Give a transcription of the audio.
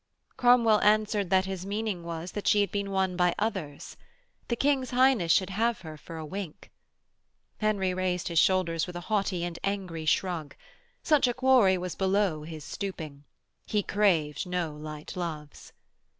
Cromwell answered that his meaning was she had been won by others. The King's Highness should have her for a wink. Henry raised his shoulders with a haughty and angry shrug. Such a quarry was below his stooping. He craved no light loves.